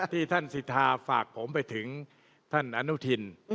ที่ท่านสิทธาฝากผมไปถึงท่านอนุทิน